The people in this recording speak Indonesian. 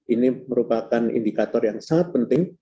ini merupakan indikator yang sangat penting